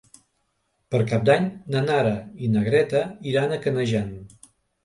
Per Cap d'Any na Nara i na Greta iran a Canejan.